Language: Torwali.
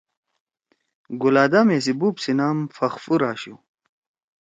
گلادامے سی بوب سی نام فخفور آشُو۔